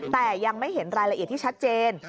แต่ยังไม่เห็นรายละเอียดที่ชัดเจน